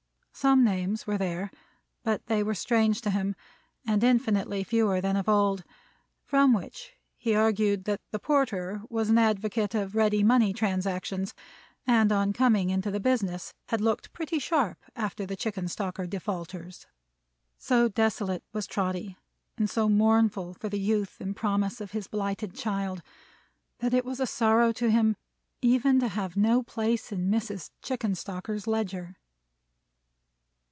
Some names were there, but they were strange to him, and infinitely fewer than of old; from which he argued that the porter was an advocate of ready money transactions, and on coming into the business had looked pretty sharp after the Chickenstalker defaulters. So desolate was Trotty, and so mournful for the youth and promise of his blighted child, that it was a sorrow to him, even to have no place in Mrs. Chickenstalker's ledger.